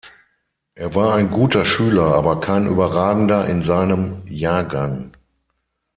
Er war ein guter Schüler, aber kein überragender in seinem Jahrgang.